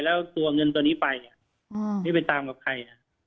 แล้วตัวเงินตัวนี้ไปไม่ไปตามกับใคร